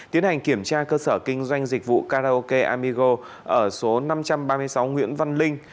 tiến hành kiểm tra cơ sở kinh doanh dịch vụ karaoke amigo ở số năm trăm ba mươi sáu nguyễn văn linh